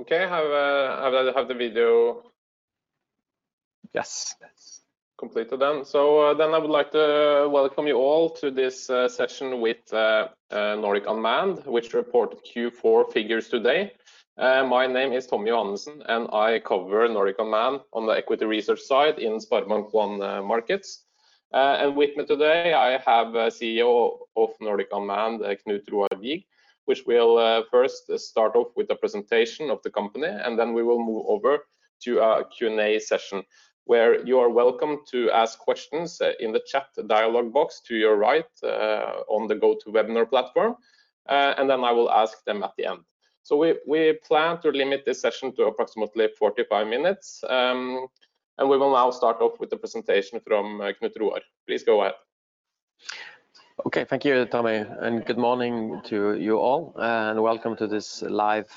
I would like to welcome you all to this session with Nordic Unmanned, which reported Q4 figures today. My name is Tommy Johannessen, and I cover Nordic Unmanned on the equity research side in SpareBank 1 Markets. With me today I have CEO of Nordic Unmanned, Knut Roar Wiig, who will first start off with the presentation of the company, and then we will move over to a Q&A session where you are welcome to ask questions in the chat dialogue box to your right on the GoTo Webinar platform, and then I will ask them at the end. We plan to limit this session to approximately 45 minutes, and we will now start off with the presentation from Knut Roar. Please go ahead. Thank you, Tommy, good morning to you all, and welcome to this live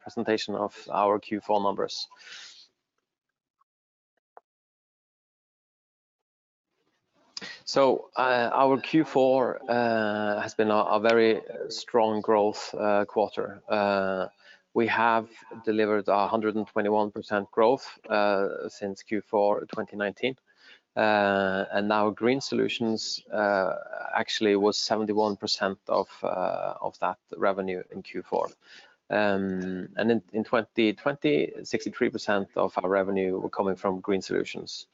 presentation of our Q4 numbers. Our Q4 has been a very strong growth quarter. We have delivered 121% growth since Q4 2019. Now Green Solutions actually was 71% of that revenue in Q4. In 2020, 63% of our revenue were coming from Green Solutions,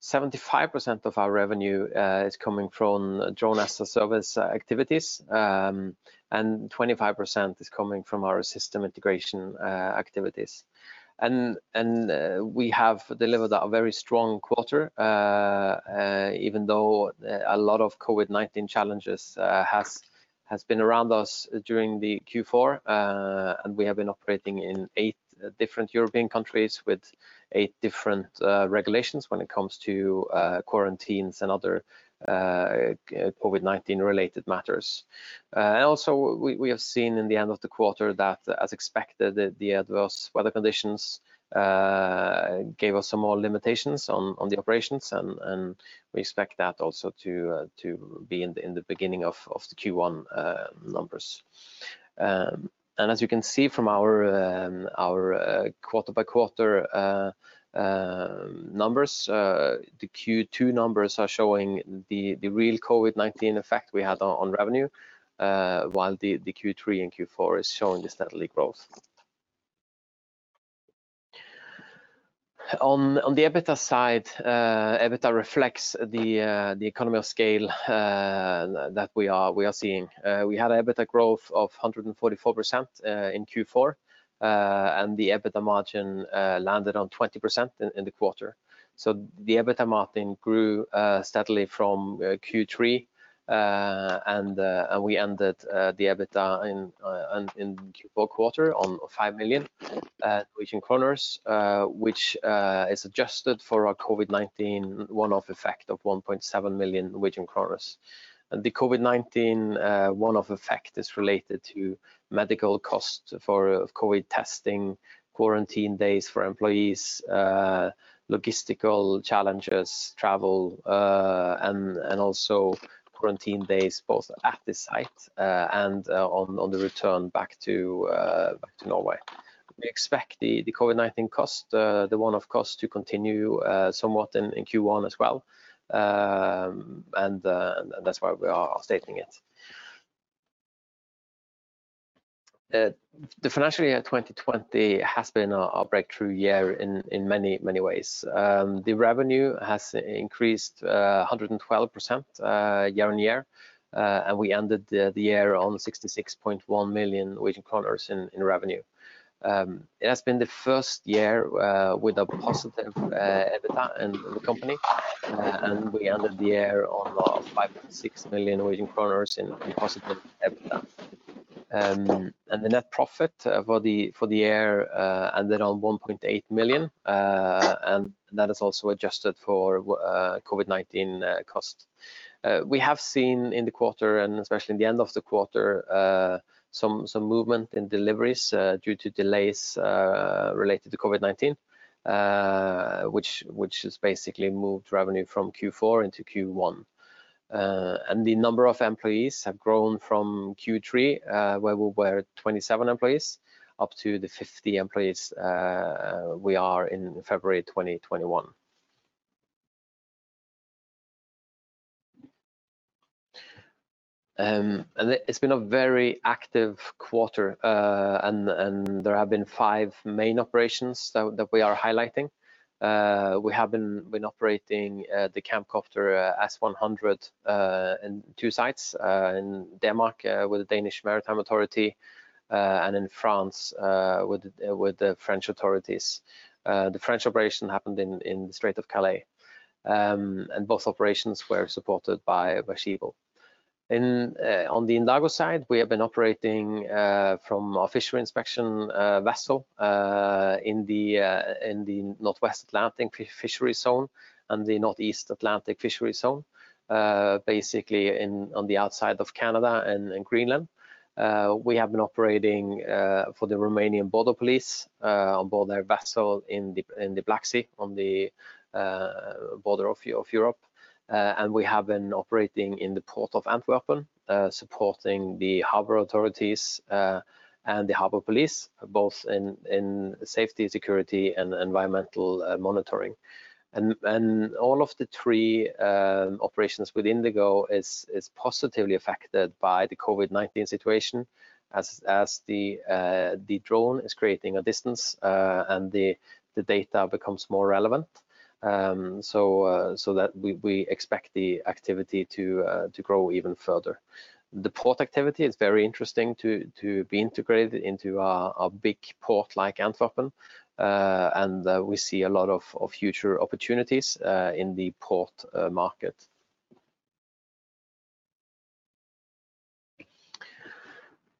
75% of our revenue is coming from Drone as a Service activities, and 25% is coming from our system integration activities. We have delivered a very strong quarter, even though a lot of COVID-19 challenges has been around us during the Q4. We have been operating in eight different European countries with eight different regulations when it comes to quarantines and other COVID-19 related matters. We have seen in the end of the quarter that, as expected, the adverse weather conditions gave us some more limitations on the operations and we expect that also to be in the beginning of the Q1 numbers. As you can see from our quarter by quarter numbers, the Q2 numbers are showing the real COVID-19 effect we had on revenue, while the Q3 and Q4 is showing the steadily growth. On the EBITDA side, EBITDA reflects the economy of scale that we are seeing. We had an EBITDA growth of 144% in Q4, and the EBITDA margin landed on 20% in the quarter. The EBITDA margin grew steadily from Q3. We ended the EBITDA in Q4 quarter on 5 million Norwegian kroner, which is adjusted for our COVID-19 one-off effect of 1.7 million Norwegian kroner. The COVID-19 one-off effect is related to medical costs for COVID testing, quarantine days for employees, logistical challenges, travel, and also quarantine days, both at the site and on the return back to Norway. We expect the COVID-19 cost, the one-off cost to continue somewhat in Q1 as well. That's why we are stating it. The financial year 2020 has been our breakthrough year in many ways. The revenue has increased 112% year-on-year. We ended the year on 66.1 million Norwegian kroner in revenue. It has been the first year with a positive EBITDA in the company, and we ended the year on 5.6 million Norwegian kroner in positive EBITDA. The net profit for the year ended on 1.8 million, and that is also adjusted for COVID-19 cost. We have seen in the quarter and especially in the end of the quarter, some movement in deliveries due to delays related to COVID-19, which has basically moved revenue from Q4 into Q1. The number of employees have grown from Q3, where we were 27 employees up to the 50 employees we are in February 2021. It's been a very active quarter and there have been five main operations that we are highlighting. We have been operating the CAMCOPTER S-100 in two sites, in Denmark with the Danish Maritime Authority, and in France with the French authorities. The French operation happened in the Strait of Calais. Both operations were supported by Schiebel. On the Indago side, we have been operating from our fishery inspection vessel in the Northwest Atlantic fishery zone and the Northeast Atlantic fishery zone, basically on the outside of Canada and Greenland. We have been operating for the Romanian Border Police on board their vessel in the Black Sea on the border of Europe. We have been operating in the Port of Antwerp, supporting the harbor authorities and the harbor police, both in safety, security, and environmental monitoring. All of the three operations with Indago is positively affected by the COVID-19 situation as the drone is creating a distance and the data becomes more relevant, so that we expect the activity to grow even further. The port activity is very interesting to be integrated into a big port like Antwerp, and we see a lot of future opportunities in the port market.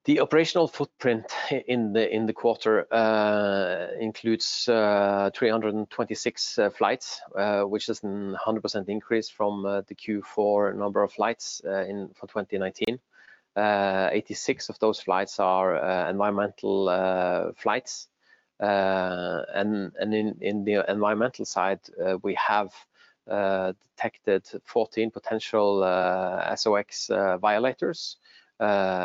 The operational footprint in the quarter includes 326 flights, which is a 100% increase from the Q4 number of flights for 2019. 86 of those flights are environmental flights. In the environmental side, we have detected 14 potential SOx violators,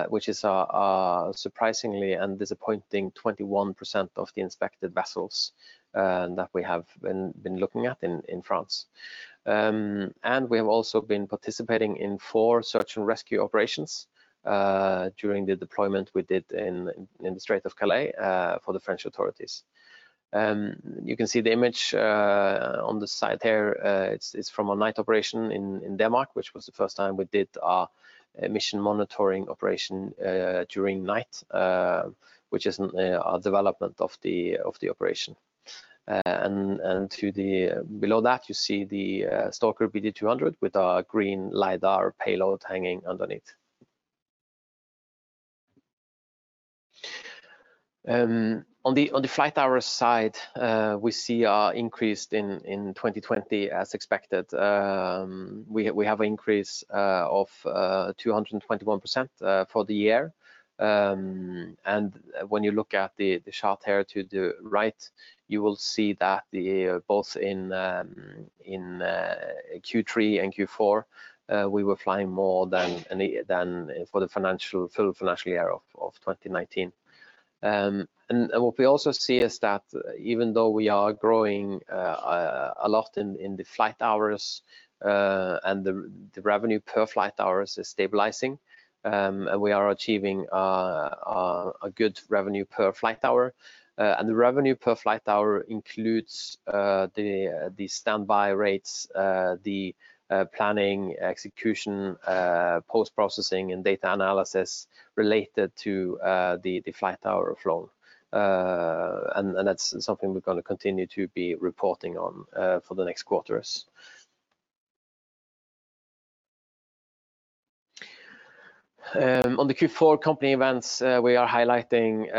which is surprisingly and disappointing 21% of the inspected vessels that we have been looking at in France. We have also been participating in four search and rescue operations during the deployment we did in the Strait of Calais for the French authorities. You can see the image on the side there. It's from a night operation in Denmark, which was the first time we did our emission monitoring operation during night, which is a development of the operation. Below that, you see the Staaker BG-200 with a Green LiDAR payload hanging underneath. On the flight hours side, we see an increase in 2020 as expected. We have an increase of 221% for the year. When you look at the chart here to the right, you will see that both in Q3 and Q4, we were flying more than for the full financial year of 2019. What we also see is that even though we are growing a lot in the flight hours and the revenue per flight hours is stabilizing, we are achieving a good revenue per flight hour. The revenue per flight hour includes the standby rates, the planning, execution, post-processing, and data analysis related to the flight hour flown. That's something we're going to continue to be reporting on for the next quarters. On the Q4 company events, we are highlighting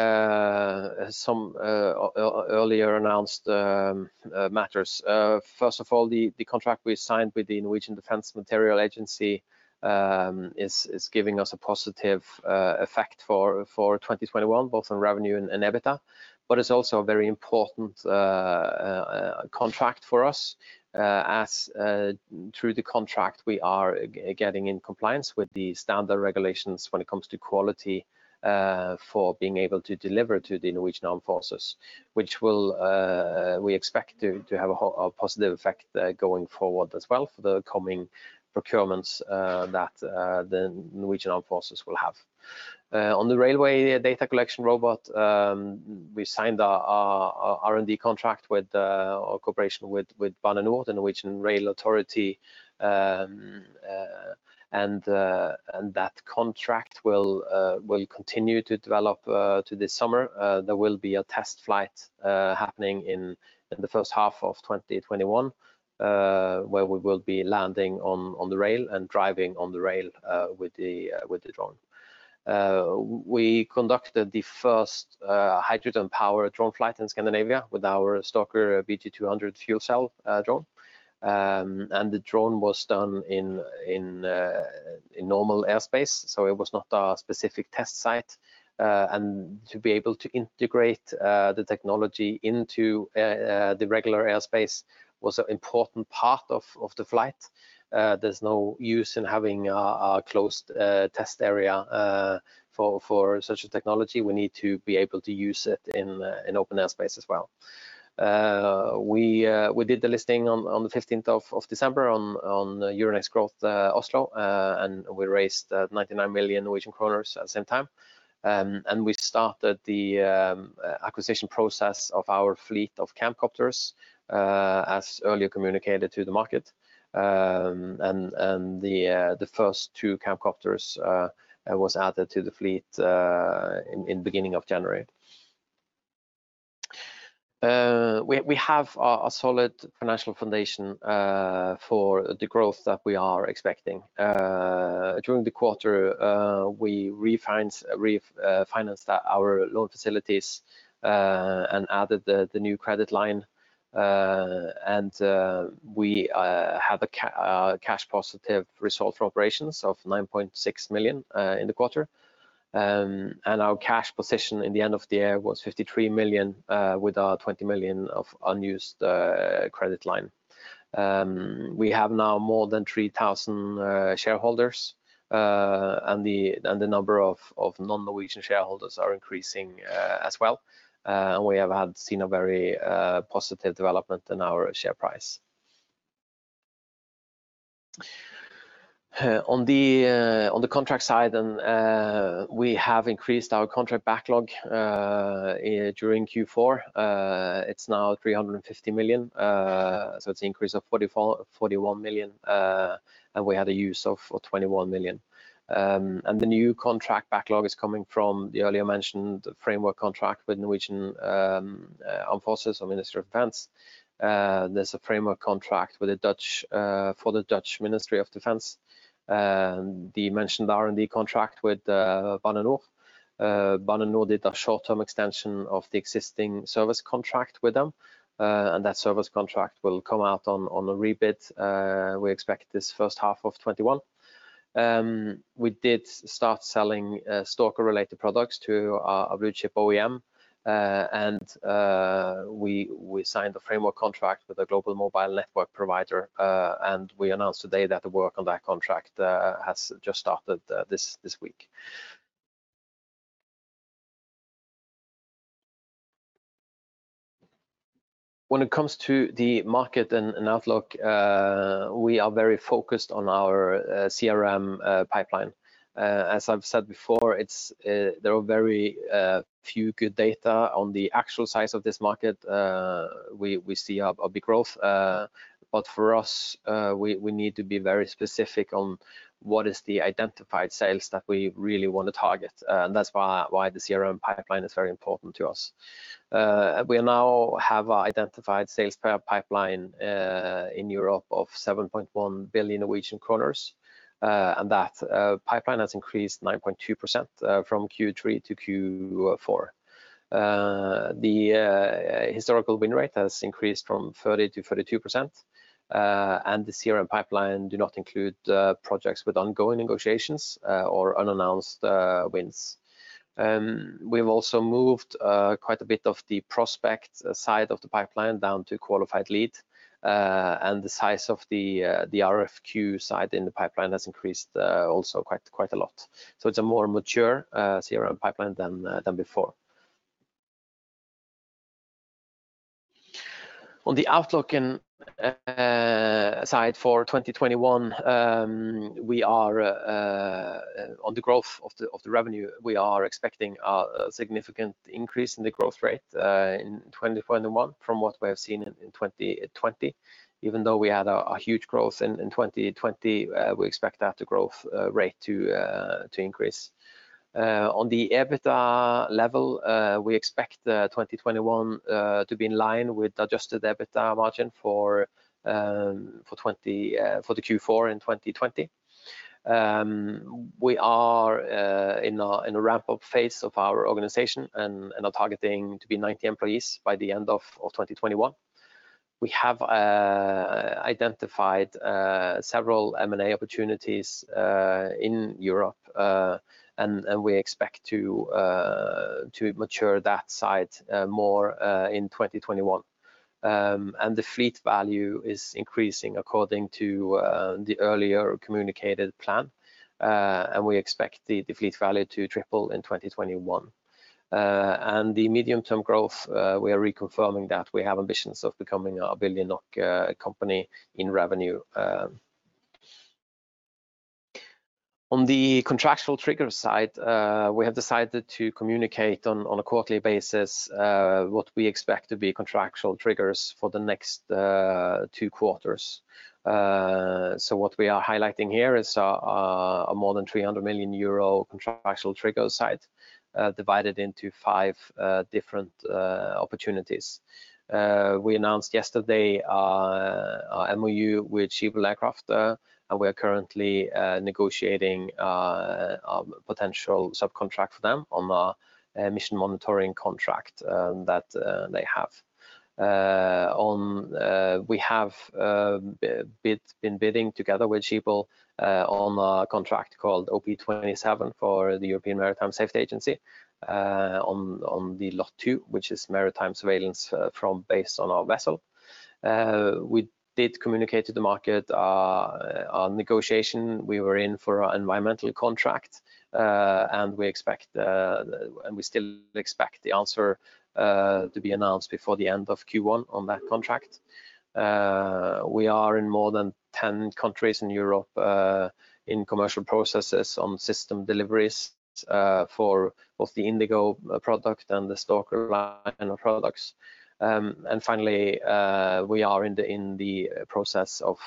some earlier announced matters. First of all, the contract we signed with the Norwegian Defence Materiel Agency is giving us a positive effect for 2021, both on revenue and EBITDA. It's also a very important contract for us as through the contract, we are getting in compliance with the standard regulations when it comes to quality for being able to deliver to the Norwegian Armed Forces, which we expect to have a positive effect going forward as well for the coming procurements that the Norwegian Armed Forces will have. On the railway data collection robot, we signed our R&D contract with our cooperation with Bane NOR, the Norwegian rail authority, and that contract will continue to develop to this summer. There will be a test flight happening in the first half of 2021, where we will be landing on the rail and driving on the rail with the drone. We conducted the first hydrogen power drone flight in Scandinavia with our Staaker BG-200 fuel cell drone. The drone was done in normal airspace, so it was not a specific test site. To be able to integrate the technology into the regular airspace was an important part of the flight. There's no use in having a closed test area for such a technology. We need to be able to use it in open airspace as well. We did the listing on the 15th of December on Euronext Growth Oslo, and we raised 99 million Norwegian kroner at the same time. We started the acquisition process of our fleet of CAMCOPTERs as earlier communicated to the market. The first two CAMCOPTERs was added to the fleet in beginning of January. We have a solid financial foundation for the growth that we are expecting. During the quarter, we refinanced our loan facilities and added the new credit line. We had a cash positive result from operations of 9.6 million in the quarter. Our cash position at the end of the year was 53 million, with 20 million of unused credit line. We have now more than 3,000 shareholders, and the number of non-Norwegian shareholders are increasing as well. We have seen a very positive development in our share price. On the contract side, we have increased our contract backlog during Q4. It's now 350 million, so it's an increase of 41 million, and we had a use of 21 million. The new contract backlog is coming from the earlier mentioned framework contract with Norwegian Armed Forces or Ministry of Defence. There's a framework contract for the Dutch Ministry of Defence. The mentioned R&D contract with Bane NOR. Bane NOR did a short-term extension of the existing service contract with them. That service contract will come out on a rebid. We expect this first half of 2021. We did start selling Staaker-related products to a blue-chip OEM. We signed a framework contract with a global mobile network provider. We announced today that the work on that contract has just started this week. When it comes to the market and outlook, we are very focused on our CRM pipeline. As I've said before, there are very few good data on the actual size of this market. We see a big growth. For us, we need to be very specific on what is the identified sales that we really want to target. That's why the CRM pipeline is very important to us. We now have identified sales per pipeline in Europe of 7.1 billion Norwegian kroner. That pipeline has increased 9.2% from Q3 to Q4. The historical win rate has increased from 30% to 32%, and the CRM pipeline do not include projects with ongoing negotiations or unannounced wins. We've also moved quite a bit of the prospect side of the pipeline down to qualified lead, and the size of the RFQ side in the pipeline has increased also quite a lot. It's a more mature CRM pipeline than before. On the outlook side for 2021, on the growth of the revenue, we are expecting a significant increase in the growth rate in 2021 from what we have seen in 2020. Even though we had a huge growth in 2020, we expect that growth rate to increase. On the EBITDA level, we expect 2021 to be in line with Adjusted EBITDA margin for the Q4 in 2020. We are in a ramp-up phase of our organization and are targeting to be 90 employees by the end of 2021. We have identified several M&A opportunities in Europe, and we expect to mature that side more in 2021. The fleet value is increasing according to the earlier communicated plan, and we expect the fleet value to triple in 2021. The medium-term growth, we are reconfirming that we have ambitions of becoming a billion NOK company in revenue. On the contractual trigger side, we have decided to communicate on a quarterly basis what we expect to be contractual triggers for the next two quarters. What we are highlighting here is a more than 300 million euro contractual trigger side divided into five different opportunities. We announced yesterday our MOU with Schiebel Aircraft, and we are currently negotiating a potential subcontract for them on a emission monitoring contract that they have. We have been bidding together with Schiebel on a contract called OP27 for the European Maritime Safety Agency on the Lot 2, which is maritime surveillance based on our vessel. We did communicate to the market our negotiation we were in for our environmental contract, and we still expect the answer to be announced before the end of Q1 on that contract. We are in more than 10 countries in Europe in commercial processes on system deliveries for both the Indago product and the Staaker product. Finally, we are in the process of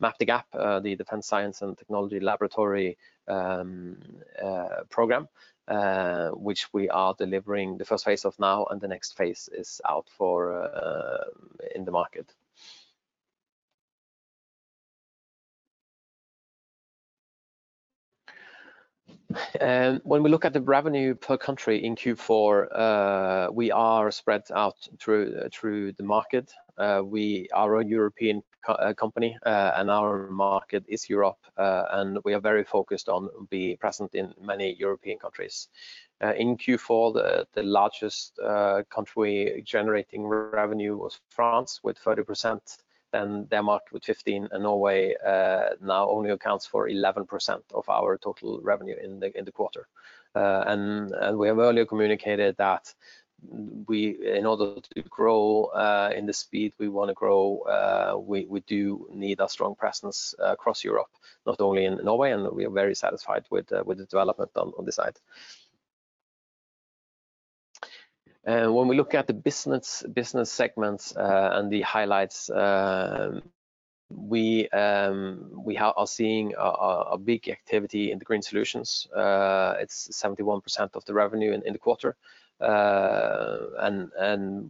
Map the Gap, the Defence Science and Technology Laboratory program, which we are delivering the first phase of now, and the next phase is out in the market. When we look at the revenue per country in Q4, we are spread out through the market. We are a European company and our market is Europe, and we are very focused on being present in many European countries. In Q4, the largest country generating revenue was France with 30%, then Denmark with 15%, and Norway now only accounts for 11% of our total revenue in the quarter. We have earlier communicated that in order to grow in the speed we want to grow, we do need a strong presence across Europe, not only in Norway, and we are very satisfied with the development on this side. When we look at the business segments and the highlights, we are seeing a big activity in the Green Solutions. It's 71% of the revenue in the quarter.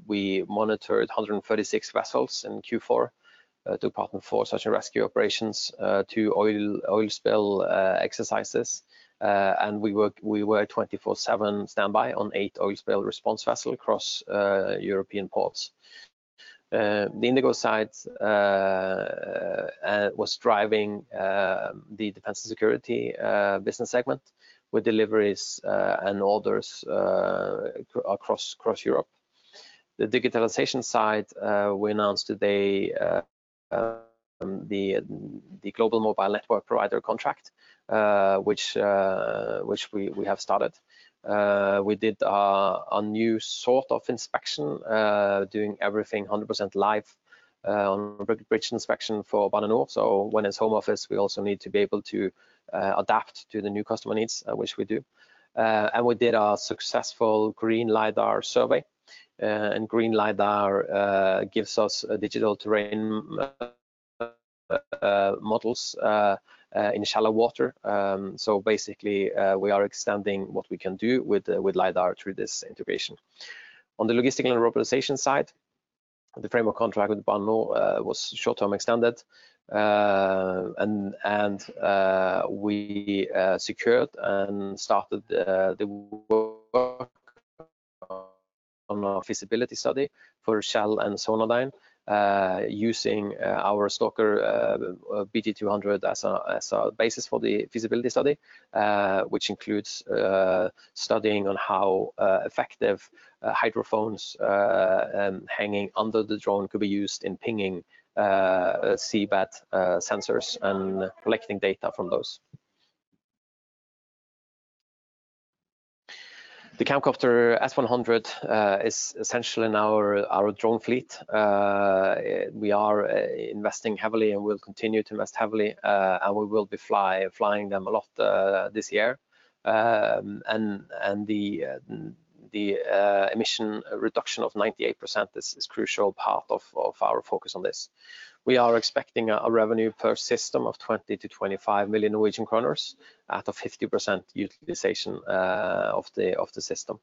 We monitored 136 vessels in Q4 to partner for search and rescue operations to oil spill exercises. We were 24/7 standby on eight oil spill response vessels across European ports. The Indago side was driving the Defense and Security business segment with deliveries and orders across Europe. The digitalization side, we announced today the global mobile network provider contract which we have started. We did a new sort of inspection, doing everything 100% live on bridge inspection for Bane NOR. When it's home office, we also need to be able to adapt to the new customer needs, which we do. We did our successful Green LiDAR survey, and Green LiDAR gives us digital terrain models in shallow water. Basically, we are extending what we can do with LiDAR through this integration. On the logistical and robotization side, the framework contract with Bane NOR was short-term extended. We secured and started the work on a feasibility study for Shell and Sonardyne, using our Staaker BG-200 as a basis for the feasibility study, which includes studying on how effective hydrophones hanging under the drone could be used in pinging seabed sensors and collecting data from those. The CAMCOPTER S-100 is essentially now our drone fleet. We are investing heavily and will continue to invest heavily. We will be flying them a lot this year. The emission reduction of 98%, this is crucial part of our focus on this. We are expecting a revenue per system of 20 million-25 million Norwegian kroner at a 50% utilization of the system.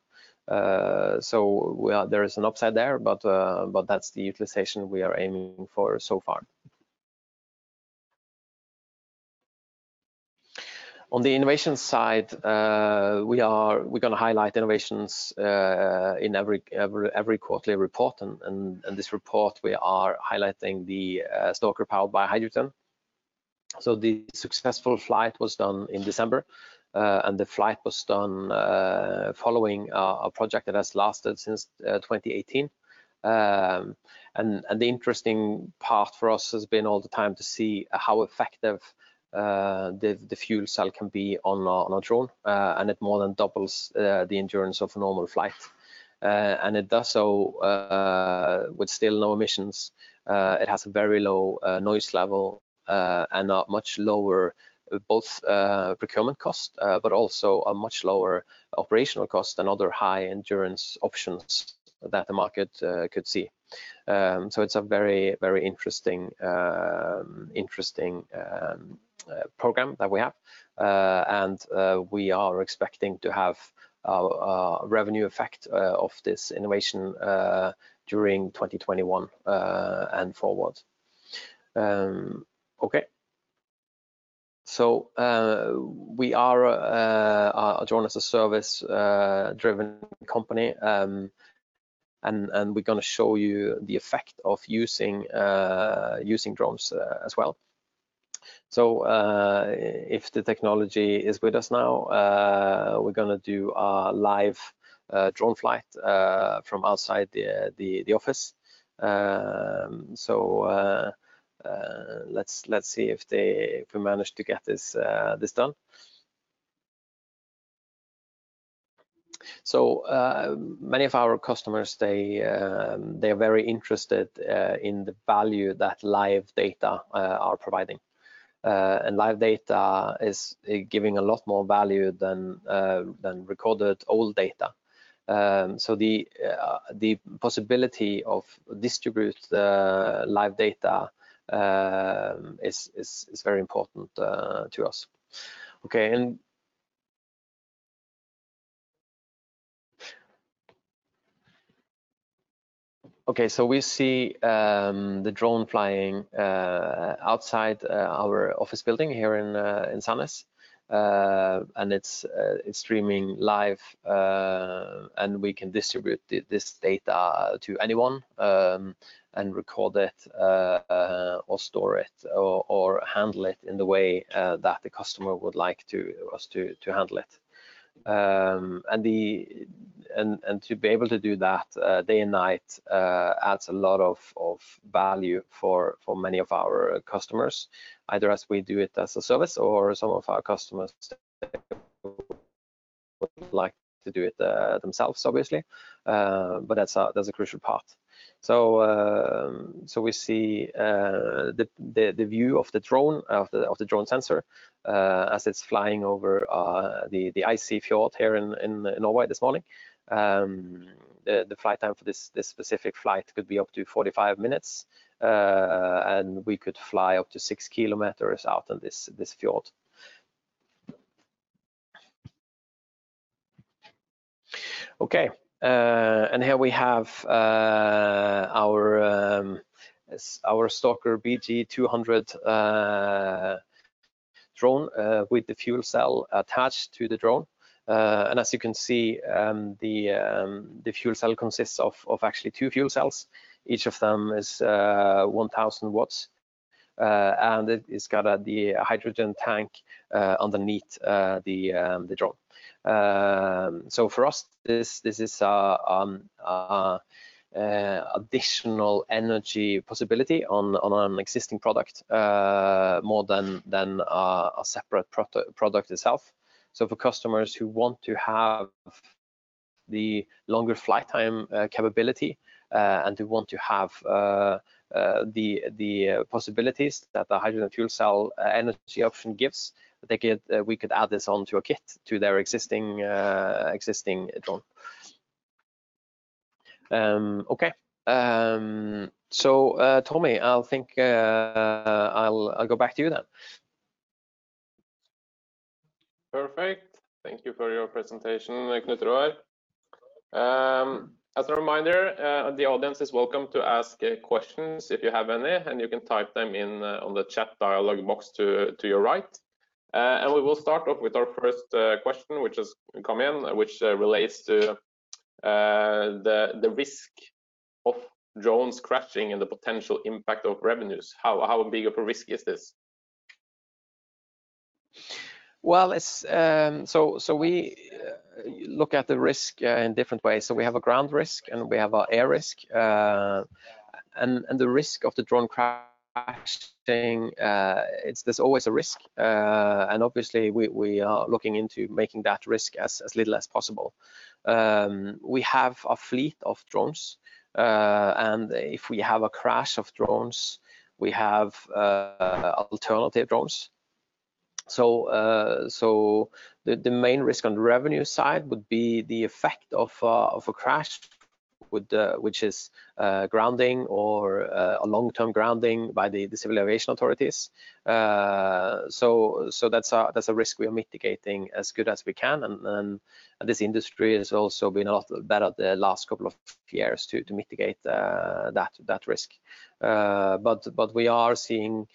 There is an upside there, but that's the utilization we are aiming for so far. On the innovation side, we're going to highlight innovations in every quarterly report, and in this report, we are highlighting the Staaker powered by hydrogen. The successful flight was done in December, and the flight was done following a project that has lasted since 2018. The interesting part for us has been all the time to see how effective the fuel cell can be on a drone, and it more than doubles the endurance of a normal flight. It does so with still low emissions. It has a very low noise level and a much lower both procurement cost, but also a much lower operational cost than other high-endurance options that the market could see. It's a very interesting program that we have. We are expecting to have a revenue effect of this innovation during 2021 and forward. Okay. We are a Drone as a Service driven company, and we're going to show you the effect of using drones as well. If the technology is with us now, we're going to do a live drone flight from outside the office. Let's see if we manage to get this done. Many of our customers, they are very interested in the value that live data are providing. Live data is giving a lot more value than recorded old data. The possibility of distribute live data is very important to us. Okay, so we see the drone flying outside our office building here in Sandnes, and it's streaming live, and we can distribute this data to anyone and record it or store it or handle it in the way that the customer would like us to handle it. To be able to do that day and night adds a lot of value for many of our customers, either as we do it as a service or some of our customers would like to do it themselves, obviously, but that's a crucial part. We see the view of the drone sensor as it's flying over the icy fjord here in Norway this morning. The flight time for this specific flight could be up to 45 minutes, We could fly up to six kilometers out on this fjord. Okay, here we have our Staaker BG-200 drone with the fuel cell attached to the drone. As you can see, the fuel cell consists of actually two fuel cells. Each of them is 1,000 watts. It's got the hydrogen tank underneath the drone. For us, this is additional energy possibility on an existing product, more than a separate product itself. For customers who want to have the longer flight time capability and who want to have the possibilities that the hydrogen fuel cell energy option gives, we could add this on to a kit, to their existing drone. Okay. Tommy, I think I'll go back to you then. Perfect. Thank you for your presentation, Knut Roar. As a reminder, the audience is welcome to ask questions if you have any, and you can type them in on the chat dialogue box to your right. We will start off with our first question, which has come in, which relates to the risk of drones crashing and the potential impact of revenues. How big of a risk is this? We look at the risk in different ways. We have a ground risk, and we have our air risk. The risk of the drone crashing, there's always a risk. Obviously, we are looking into making that risk as little as possible. We have a fleet of drones, and if we have a crash of drones, we have alternative drones. The main risk on the revenue side would be the effect of a crash which is grounding or a long-term grounding by the civil aviation authorities. That's a risk we are mitigating as good as we can. This industry has also been a lot better the last couple of years to mitigate that risk. We are seeing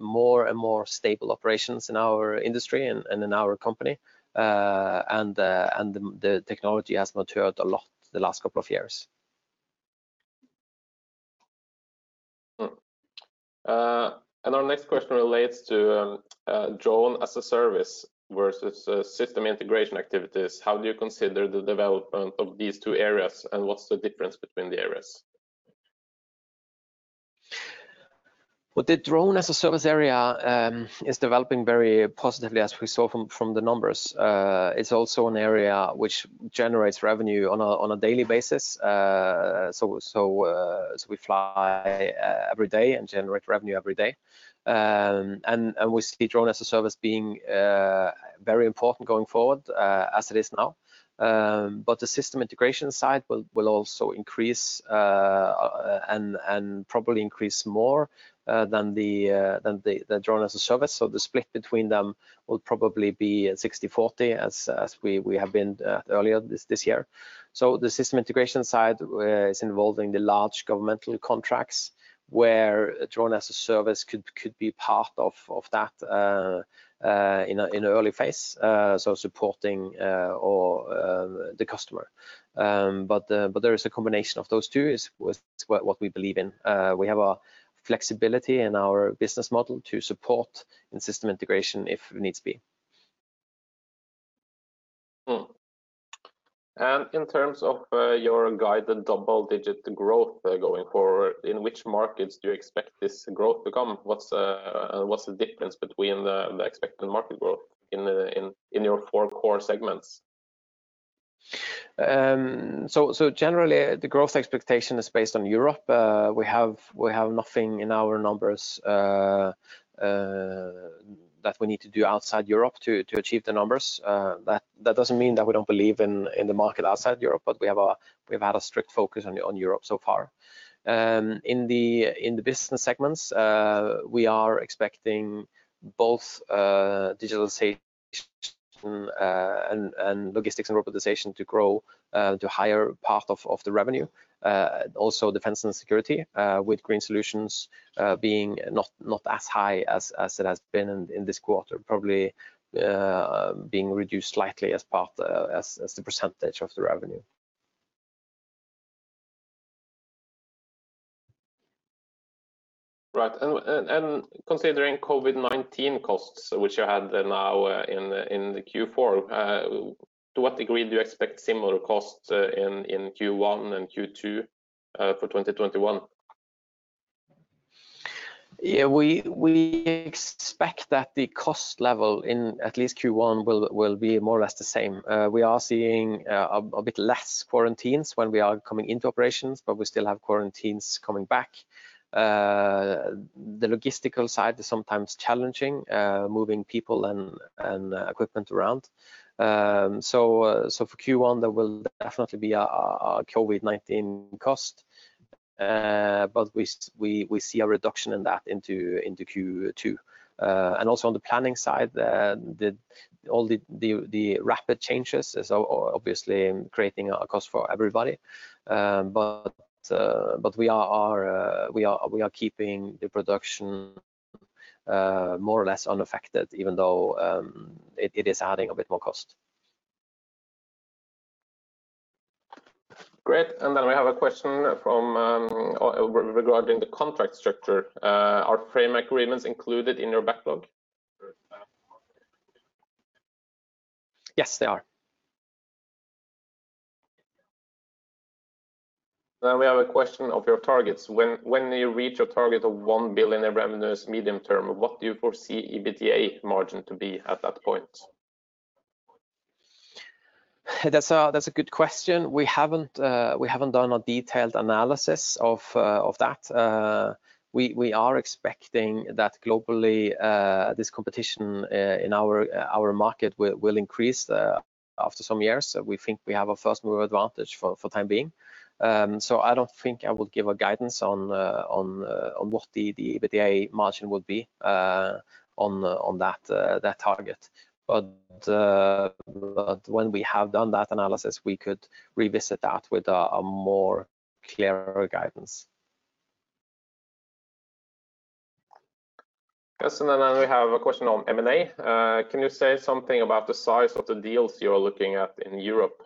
more and more stable operations in our industry and in our company. The technology has matured a lot the last couple of years. Our next question relates to Drone as a Service versus system integration activities. How do you consider the development of these two areas, and what's the difference between the areas? Well, the Drone as a Service area is developing very positively, as we saw from the numbers. It's also an area that generates revenue on a daily basis. We fly every day and generate revenue every day. We see Drone as a Service being very important going forward, as it is now. The system integration side will also increase and probably increase more than the Drone as a Service. The split between them will probably be 60/40, as we have been earlier this year. The system integration side is involving the large governmental contracts where Drone as a Service could be part of that in the early phase, so supporting the customer. There is a combination of those two is what we believe in. We have a flexibility in our business model to support in system integration if needs be. In terms of your guided double-digit growth going forward, in which markets do you expect this growth to come? What's the difference between the expected market growth in your four core segments? Generally, the growth expectation is based on Europe. We have nothing in our numbers that we need to do outside Europe to achieve the numbers. That doesn't mean that we don't believe in the market outside Europe, but we have had a strict focus on Europe so far. In the business segments, we are expecting both digitalization and logistics and robotization to grow to higher part of the revenue. Defense and security with Green Solutions being not as high as it has been in this quarter, probably being reduced slightly as the percentage of the revenue. Right. Considering COVID-19 costs, which you had now in the Q4, to what degree do you expect similar costs in Q1 and Q2 for 2021? Yeah, we expect that the cost level in at least Q1 will be more or less the same. We are seeing a bit less quarantines when we are coming into operations, but we still have quarantines coming back. The logistical side is sometimes challenging, moving people and equipment around. For Q1, there will definitely be a COVID-19 cost, but we see a reduction in that into Q2. Also on the planning side, the rapid changes are obviously creating a cost for everybody, but we are keeping the production more or less unaffected, even though it is adding a bit more cost. Great. We have a question regarding the contract structure. Are frame agreements included in your backlog? Yes, they are. Now we have a question of your targets. When you reach a target of 1 billion in revenues medium-term, what do you foresee EBITDA margin to be at that point? That's a good question. We haven't done a detailed analysis of that. We are expecting that globally this competition in our market will increase after some years. We think we have a first-mover advantage for time being. I don't think I will give a guidance on what the EBITDA margin would be on that target. When we have done that analysis, we could revisit that with a more clearer guidance. Yes. Then we have a question on M&A. Can you say something about the size of the deals you are looking at in Europe?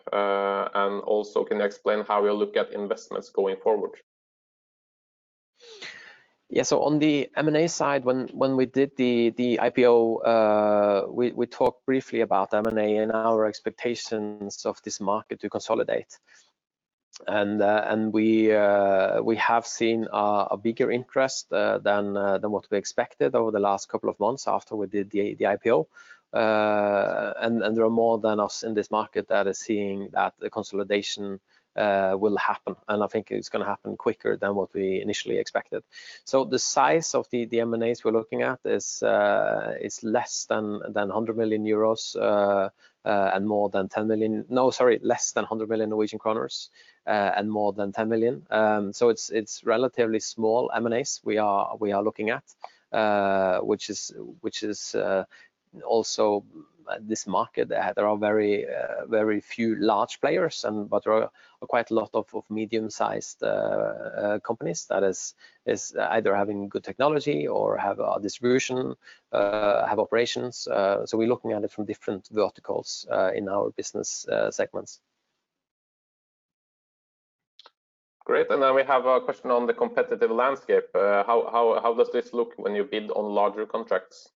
Also, can you explain how you look at investments going forward? On the M&A side, when we did the IPO, we talked briefly about M&A and our expectations of this market to consolidate. We have seen a bigger interest than what we expected over the last couple of months after we did the IPO. There are more than us in this market that is seeing that the consolidation will happen, and I think it's going to happen quicker than what we initially expected. The size of the M&As we're looking at is less than NOK 100 million and more than 10 million. It's relatively small M&As we are looking at, which is also this market. There are very few large players, but there are quite a lot of medium-sized companies that is either having good technology or have a distribution, have operations. We're looking at it from different verticals in our business segments. Great. Now we have a question on the competitive landscape. How does this look when you bid on larger contracts?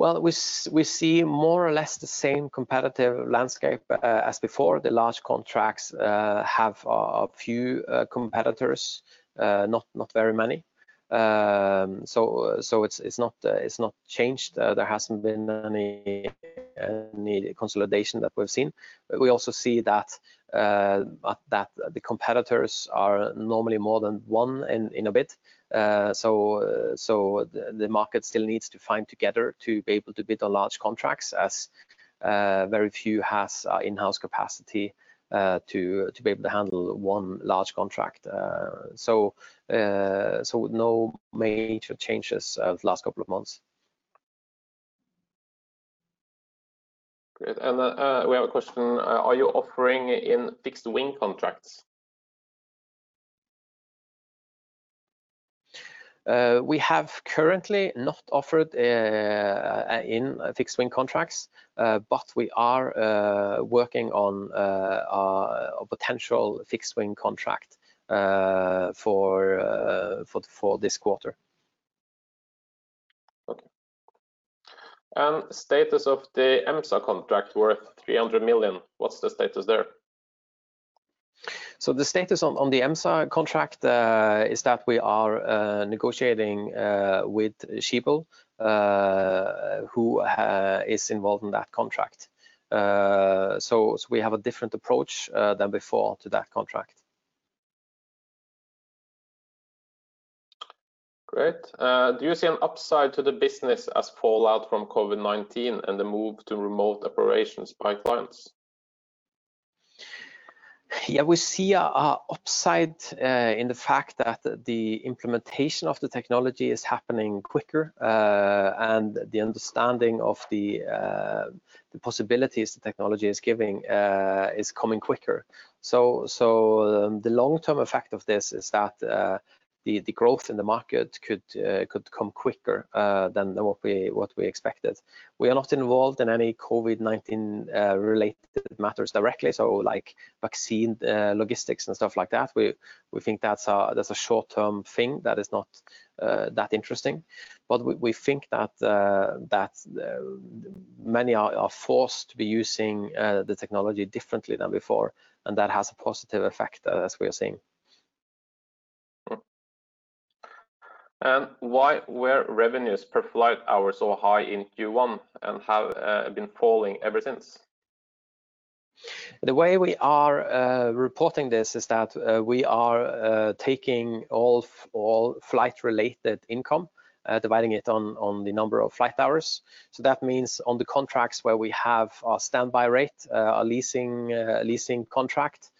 Well, we see more or less the same competitive landscape as before. The large contracts have a few competitors, not very many. It's not changed. There hasn't been any consolidation that we've seen. We also see that the competitors are normally more than one in a bit. The market still needs to find together to be able to bid on large contracts as very few has in-house capacity to be able to handle one large contract. No major changes the last couple of months. Great. We have a question. Are you operating in fixed wing contracts? We have currently not offered in fixed wing contracts, but we are working on a potential fixed wing contract for this quarter Okay. Status of the EMSA contract worth 300 million. What's the status there? The status on the EMSA contract is that we are negotiating with Schiebel who is involved in that contract. We have a different approach than before to that contract. Great. Do you see an upside to the business as fallout from COVID-19 and the move to remote operations by clients? We see an upside in the fact that the implementation of the technology is happening quicker, and the understanding of the possibilities the technology is giving is coming quicker. The long-term effect of this is that the growth in the market could come quicker than what we expected. We are not involved in any COVID-19 related matters directly. Like vaccine logistics and stuff like that, we think that's a short-term thing that is not that interesting. We think that many are forced to be using the technology differently than before, and that has a positive effect as we are seeing. Why were revenues per flight hours so high in Q1 and have been falling ever since? The way we are reporting this is that we are taking all flight-related income, dividing it on the number of flight hours. That means on the contracts where we have a standby rate, a leasing contract,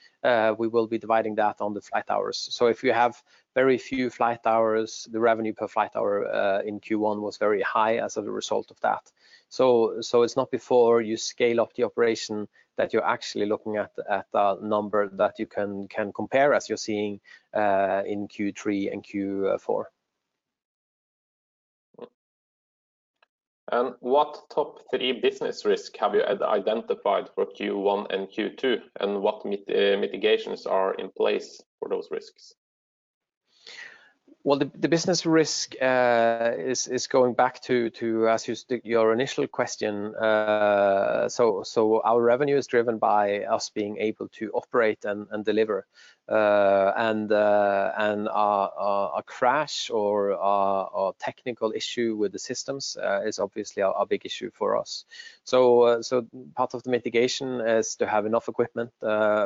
we will be dividing that on the flight hours. If you have very few flight hours, the revenue per flight hour in Q1 was very high as a result of that. It's not before you scale up the operation that you're actually looking at a number that you can compare as you're seeing in Q3 and Q4. What top three business risks have you identified for Q1 and Q2, and what mitigations are in place for those risks? The business risk is going back to your initial question. Our revenue is driven by us being able to operate and deliver. A crash or a technical issue with the systems is obviously a big issue for us. Part of the mitigation is to have enough equipment,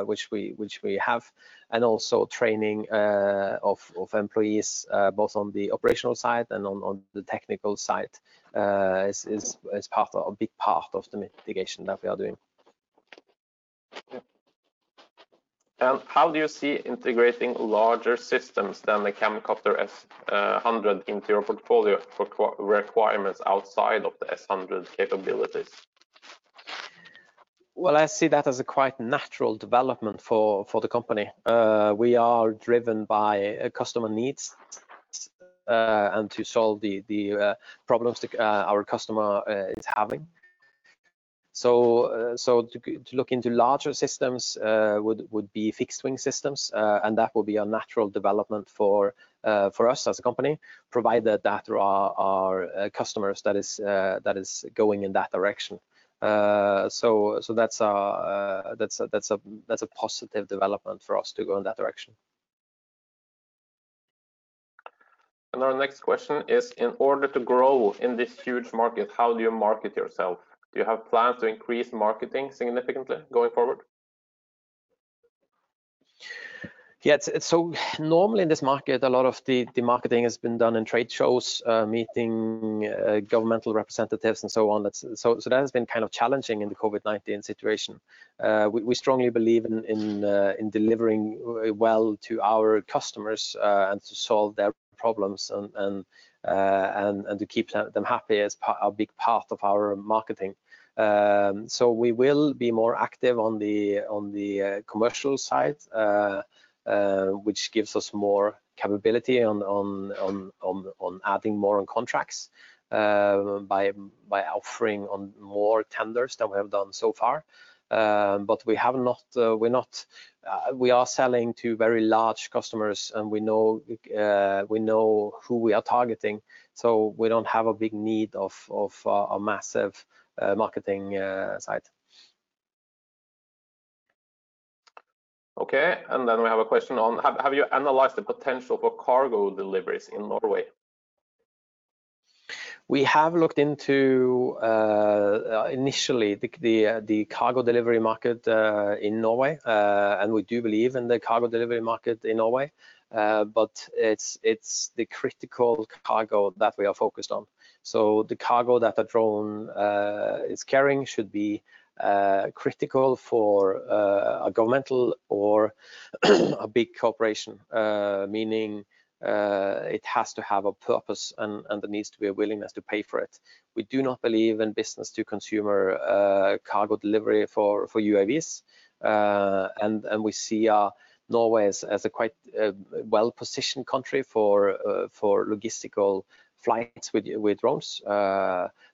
which we have. Also training of employees, both on the operational side and on the technical side is a big part of the mitigation that we are doing. How do you see integrating larger systems than the CAMCOPTER S-100 into your portfolio for requirements outside of the S-100 capabilities? Well, I see that as a quite natural development for the company. We are driven by customer needs and to solve the problems our customer is having. To look into larger systems would be fixed wing systems. That will be a natural development for us as a company, provided that our customers that is going in that direction. That's a positive development for us to go in that direction. Our next question is, in order to grow in this huge market, how do you market yourself? Do you have plans to increase marketing significantly going forward? Normally in this market, a lot of the marketing has been done in trade shows, meeting governmental representatives, and so on. That has been kind of challenging in the COVID-19 situation. We strongly believe in delivering well to our customers and to solve their problems and to keep them happy as a big part of our marketing. We will be more active on the commercial side, which gives us more capability on adding more on contracts by offering more tenders than we have done so far. We are selling to very large customers, and we know who we are targeting, so we don't have a big need of a massive marketing site. Okay, then, we have a question on, have you analyzed the potential for cargo deliveries in Norway? We have looked into initially the cargo delivery market in Norway. We do believe in the cargo delivery market in Norway, but it's the critical cargo that we are focused on. The cargo that the drone is carrying should be critical for a governmental or a big corporation, meaning it has to have a purpose, and there needs to be a willingness to pay for it. We do not believe in business to consumer cargo delivery for UAVs. We see Norway as a quite well-positioned country for logistical flights with drones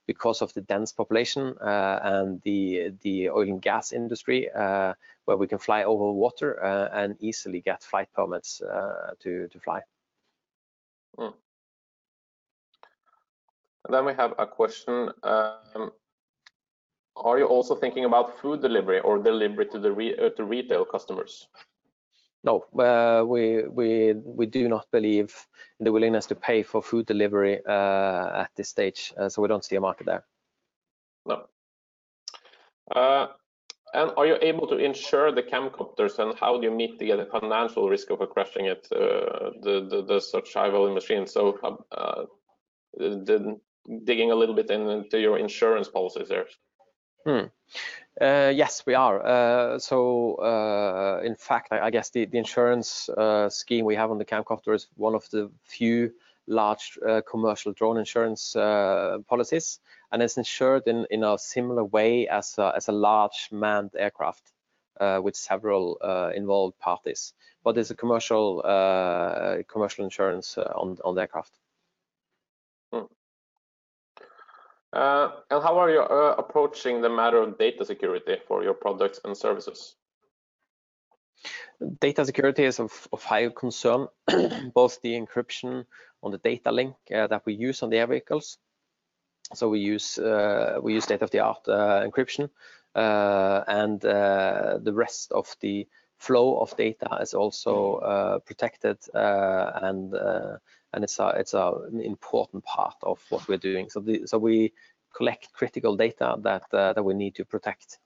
because of the dense population and the oil and gas industry where we can fly over water and easily get flight permits to fly. Now we have a question. Are you also thinking about food delivery or delivery to retail customers? No. We do not believe the willingness to pay for food delivery at this stage as we don't see a market there. No. Are you able to insure the CAMCOPTERs, and how do you meet the financial risk of a crashing at the search and rescue machine itself? Digging a little bit into your insurance policies there. Yes, we are. In fact, I guess the insurance scheme we have on the CAMCOPTER is one of the few large commercial drone insurance policies, and it's insured in a similar way as a large manned aircraft with several involved parties, but there's a commercial insurance on the aircraft. How are you approaching the matter of data security for your products and services? Data security is of high concern, both the encryption on the data link that we use on the air vehicles. We use state-of-the-art encryption, and the rest of the flow of data is also protected, and it's an important part of what we're doing. We collect critical data that we need to protect.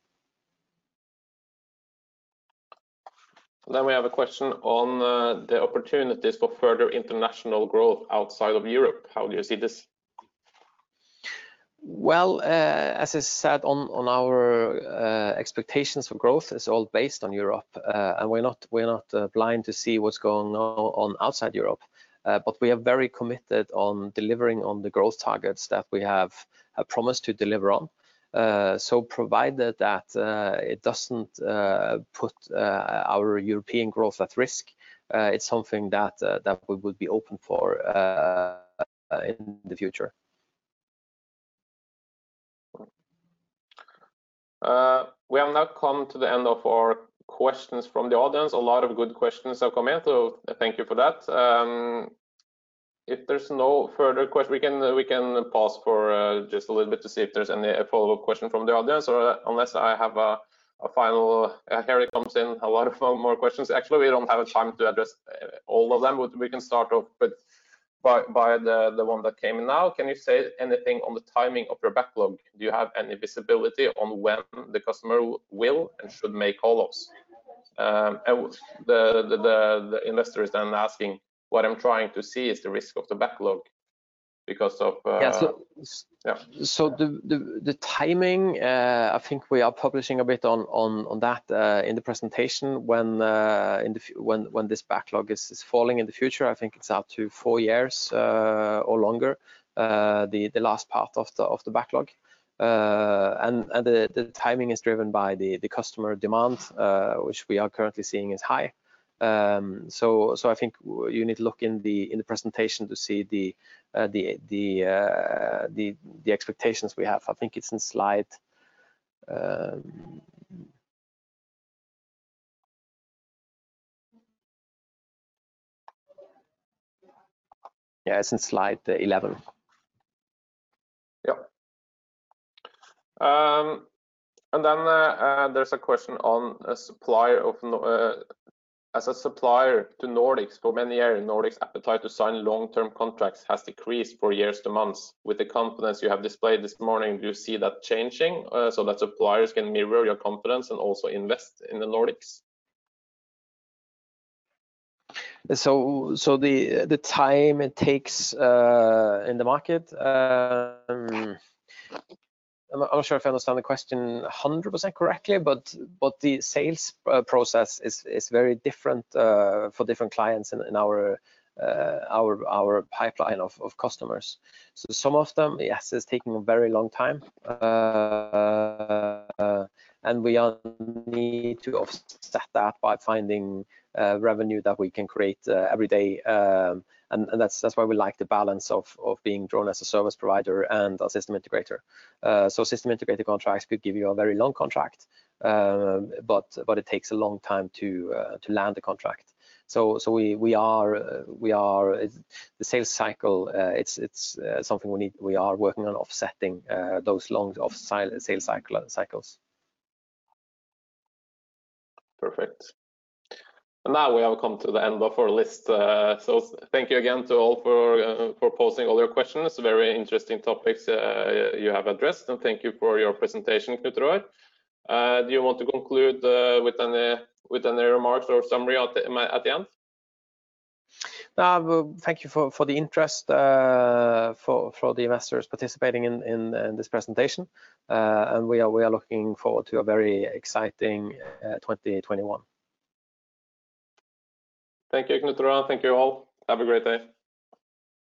Now we have a question on the opportunities for further international growth outside of Europe. How do you see this? Well, as I said on our expectations for growth, it's all based on Europe. We're not blind to see what's going on outside Europe, but we are very committed on delivering on the growth targets that we have promised to deliver on. Provided that it doesn't put our European growth at risk, it's something that we would be open for in the future. We have now come to the end of our questions from the audience. A lot of good questions have come in. Thank you for that. If there's no further question, we can pause for just a little bit to see if there's any follow-up question from the audience. Here it comes in, a lot of more questions. Actually, we don't have time to address all of them. We can start off with the one that came now. Can you say anything on the timing of your backlog? Do you have any visibility on when the customer will and should make hold-ups? The investor is asking, "What I'm trying to see is the risk of the backlog because of -- Yeah. The timing, I think we are publishing a bit on that in the presentation when this backlog is falling in the future. I think it's up to four years or longer, the last part of the backlog. The timing is driven by the customer demand, which we are currently seeing is high. I think you need to look in the presentation to see the expectations we have. I think it's in slide 11. Yeah. There's a question, as a supplier to Nordics, for many years, Nordics' appetite to sign long-term contracts has decreased from years to months. With the confidence you have displayed this morning, do you see that changing so that suppliers can mirror your confidence and also invest in the Nordics? The time it takes in the market, I'm not sure if I understand the question 100% correctly, but the sales process is very different for different clients in our pipeline of customers. Some of them, yes, it's taking a very long time. We need to offset that by finding revenue that we can create every day. That's why we like the balance of being Drone as a Service provider and a system integrator. System integrator contracts could give you a very long contract, but it takes a long time to land the contract. The sales cycle, it's something we are working on offsetting those long sales cycles. Perfect. Now we have come to the end of our list. Thank you again to all for posing all your questions. Very interesting topics you have addressed. Thank you for your presentation, Knut Roar. Do you want to conclude with any remarks or summary at the end? Thank you for the interest, for the investors participating in this presentation. We are looking forward to a very exciting 2021. Thank you, Knut Roar. Thank you all. Have a great day.